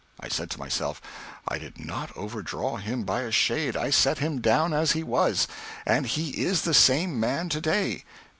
I said to myself, "I did not overdraw him by a shade, I set him down as he was; and he is the same man to day.